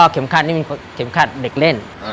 เข้มขัดนี่มีเด็กเล่น